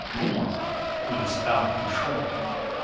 more ... when it's out of control.